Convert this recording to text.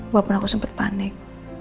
walaupun aku sempet panik